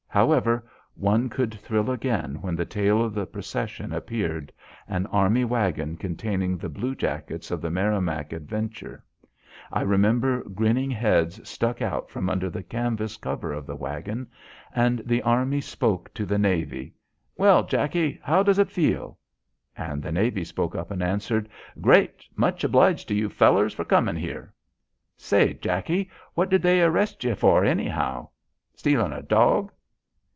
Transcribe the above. However, one could thrill again when the tail of the procession appeared an army waggon containing the blue jackets of the Merrimac adventure. I remember grinning heads stuck out from under the canvas cover of the waggon. And the army spoke to the navy. "Well, Jackie, how does it feel?" And the navy up and answered: "Great! Much obliged to you fellers for comin' here." "Say, Jackie, what did they arrest ye for anyhow? Stealin' a dawg?"